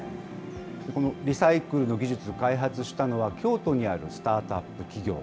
このリサイクルの技術、開発したのは、京都にあるスタートアップ企業。